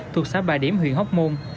thuộc xã bà điểm huyện hóc bôn